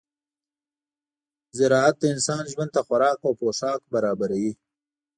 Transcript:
راعت د انسان ژوند ته خوراک او پوښاک برابروي.